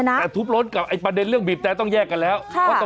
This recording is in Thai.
แต่ทุบรถกับประเด็นเรื่องบีบแต่ต้องแยกกันแล้ว